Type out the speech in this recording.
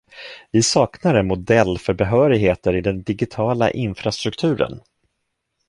Vi saknar en modell för behörigheter i den digitala infrastrukturen.